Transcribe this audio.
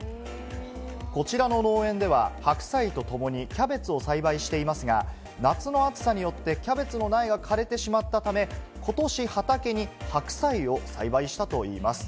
こちらの農園では、白菜とともにキャベツを栽培していますが、夏の暑さによって、キャベツの苗が枯れてしまったため、ことし、畑に白菜を栽培したといいます。